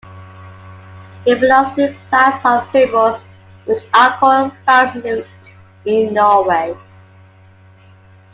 It belongs to a class of symbols which are called "valknute" in Norway.